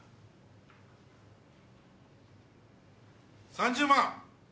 ３０万！